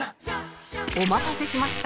お待たせしました